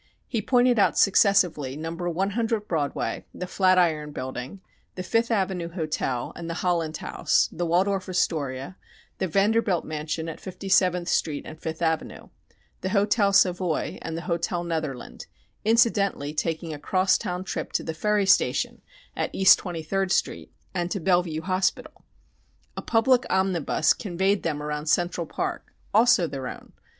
He pointed out successively Number 100 Broadway, the "Flatiron" Building, the Fifth Avenue Hotel and the Holland House, the Waldorf Astoria, the Vanderbilt mansion at Fifty seventh Street and Fifth Avenue, the Hotel Savoy and the Hotel Netherland, incidentally taking a cross town trip to the ferry station at East Twenty third Street, and to Bellevue Hospital. A public omnibus conveyed them around Central Park also their own.